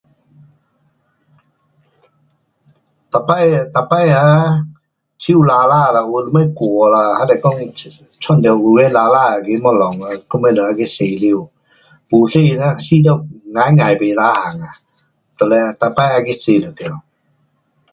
每次 um 每次啊，手肮脏咯就什么骨啦，还是说，um 弄到有的肮脏那个东西咯，还什么要就去洗手，没洗啦觉得人也是不 tahan 啊，就得每次要去洗就对。